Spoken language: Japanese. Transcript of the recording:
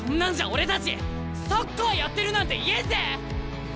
俺たちサッカーやってるなんて言えんぜ！